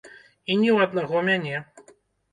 І не ў аднаго мяне.